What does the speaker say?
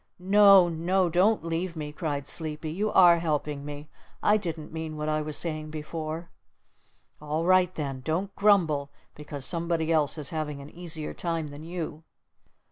"No, no, don't leave me!" cried Sleepy. "You are helping me. I didn't mean what I was saying before." "All right, then! Don't grumble because somebody else is having an easier time than you."